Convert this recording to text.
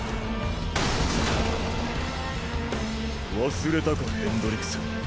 忘れたかヘンドリクセン。